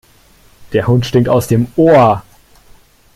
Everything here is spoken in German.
Der Hund stinkt aus dem Ohr.